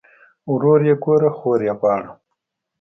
ورور ئې ګوره خور ئې غواړه